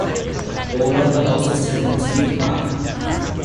Overall the house is set in its deer park.